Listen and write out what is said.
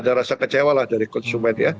ada rasa kecewa lah dari konsumen ya